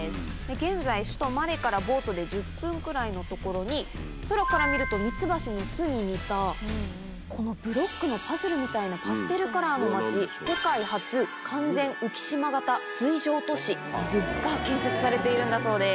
現在首都マレからボートで１０分くらいの所に空から見るとミツバチの巣に似たこのブロックのパズルみたいなパステルカラーの町。が建設されているんだそうです。